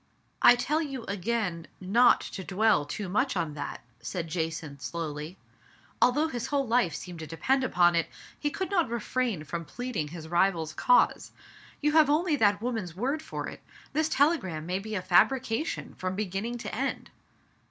"I tell you again not to dwell too much on that, said Jacynth slowly. Although his whole life seemed to depend upon it, he could not refrain from pleading his rival's cause. You have only that woman's word for it. This tele gram may be a fabrication from beginning to end.